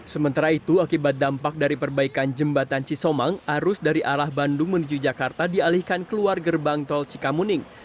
sementara itu akibat dampak dari perbaikan jembatan cisomang arus dari arah bandung menuju jakarta dialihkan keluar gerbang tol cikamuning